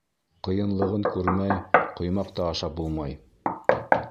Ҡыйынлығын күрмәй, ҡоймаҡ та ашап булмай.